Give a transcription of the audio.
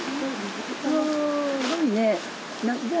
すごいね。